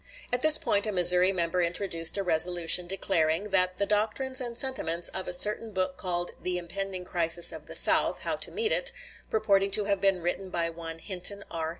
At this point a Missouri member introduced a resolution declaring: "That the doctrines and sentiments of a certain book called 'The Impending Crisis of the South How to Meet It,' purporting to have been written by one Hinton R.